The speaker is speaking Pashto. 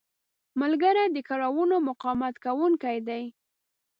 ملګری د کړاوونو مقاومت کوونکی دی